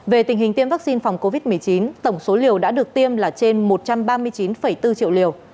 về tình hình tiêm vaccine phòng covid một mươi chín tổng số liều đã được tiêm là trên một trăm ba mươi chín bốn triệu liều